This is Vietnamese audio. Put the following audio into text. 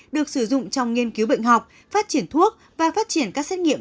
được sử dụng trong nghiên cứu bệnh học phát triển thuốc và phát triển các xét nghiệm